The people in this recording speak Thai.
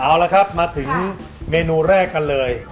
เอาละครับมาถึงเมนูแรกกันเลย